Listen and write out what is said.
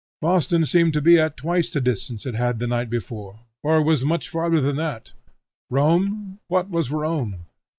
Boston seemed to be at twice the distance it had the night before, or was much farther than that. Rome, what was Rome?